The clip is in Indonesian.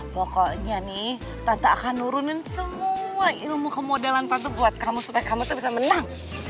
pokoknya nih tante akan nurunin semua ilmu kemodelan tata buat kamu supaya kamu tuh bisa menang